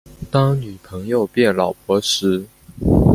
當女朋友變老婆時